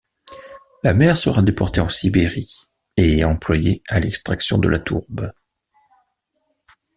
La mère sera déportée en Sibérie et employée à l'extraction de la tourbe.